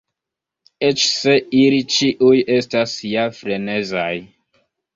Eĉ se ili ĉiuj estas ja frenezaj.